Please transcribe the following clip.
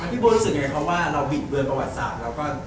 ทีบูรกรุสึกยังไงเค้าว่าเราบิดเวลประวัติศาสตร์แล้วก็